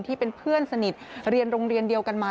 ที่เป็นเพื่อนสนิทเรียนโรงเรียนเดียวกันมา